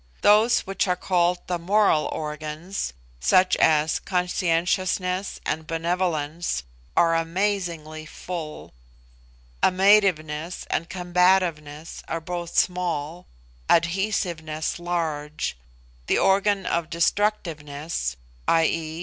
Those which are called the moral organs, such as conscientiousness and benevolence, are amazingly full; amativeness and combativeness are both small; adhesiveness large; the organ of destructiveness (i.e.